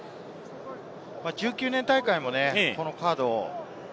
１９年大会もこのカード。